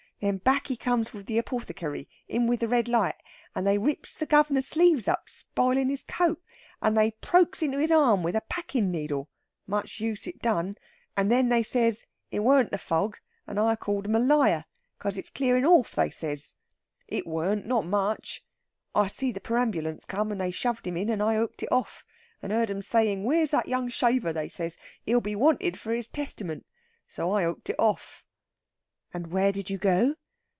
Then back he comes with the apoarthecary him with the red light and they rips the guv'nor's sleeves up, spilin' his coat. And they prokes into his arm with a packin' needle. Much use it done! And then they says, it warn't the fog, and I called 'em a liar. 'Cos it's a clearin' off, they says. It warn't, not much. I see the perambulance come, and they shoved him in, and I hooked it off, and heard 'em saying where's that young shaver, they says; he'll be wanted for his testament. So I hooked it off." "And where did you go?"